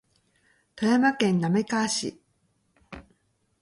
富山県滑川市